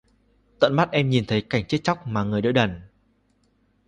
Tận mắt em nhìn cảnh chết chóc mà người đỡ đần